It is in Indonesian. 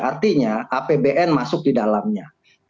artinya apbn masuk di dalamnya